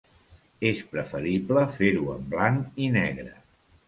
És preferible fer-ho en blanc i negre.